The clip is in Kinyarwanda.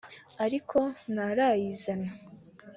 ariko ntarayizana